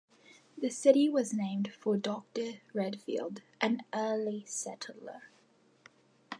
The city was named for Doctor Redfield, an early settler.